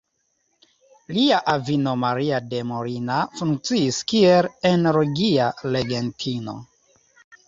Lia avino Maria de Molina funkciis kiel energia regentino.